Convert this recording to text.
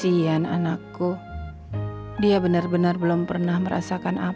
jangan coba coba mendekat